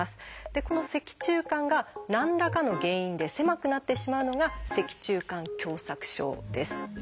でこの脊柱管が何らかの原因で狭くなってしまうのが「脊柱管狭窄症」です。